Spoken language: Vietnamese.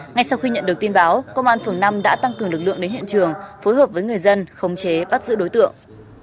ngay sau khi nhận được tin báo công an phường năm đã tăng cường lực lượng đến hiện trường phối hợp với người dân khống chế bắt giữ đối tượng